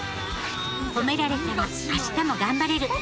褒められたら明日も頑張れる。